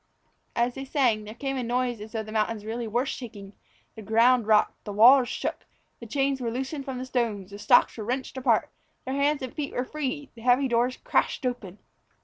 As they sang there came a noise as though the mountains really were shaking. The ground rocked; the walls shook; the chains were loosened from the stones; the stocks were wrenched apart; their hands and feet were free; the heavy doors crashed open.